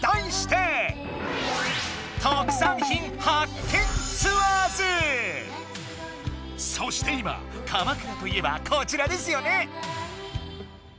だいしてそして今鎌倉といえばこちらですよね！